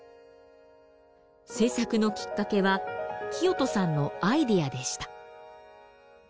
制作のきっかけは聖人さんのアイデアでした。